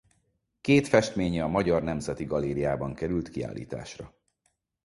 Két festménye a Magyar Nemzeti Galériában került kiállításra.